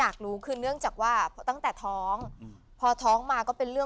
อ่าเมื่อกี้บอกไปแล้วว่าสีสิงหานะ